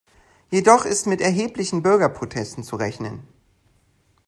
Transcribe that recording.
Jedoch ist mit erheblichen Bürgerprotesten zu rechnen.